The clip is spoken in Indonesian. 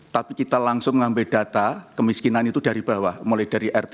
tapi kita langsung mengambil data kemiskinan itu dari bawah mulai dari rtew dari kepala desa